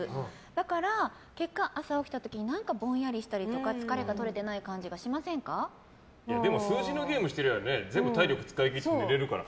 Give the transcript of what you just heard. だから結果、朝起きた時に何かぼんやりしたりとか疲れが取れてない感じがでも、数字のゲームしてりゃ体力使い切って寝られるから。